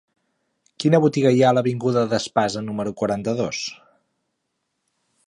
Quina botiga hi ha a l'avinguda d'Espasa número quaranta-dos?